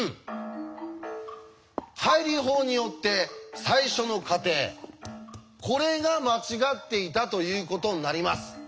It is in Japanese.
背理法によって最初の仮定これが間違っていたということになります。